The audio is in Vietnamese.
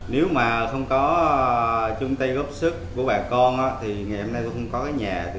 nếu mà không có chung tay góp sức của bà con thì ngày hôm nay cũng không có cái nhà